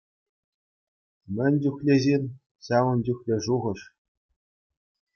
Мӗн чухлӗ ҫын, ҫавӑн чухлӗ шухӑш.